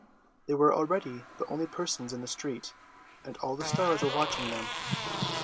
They were already the only persons in the street, and all the stars were watching them.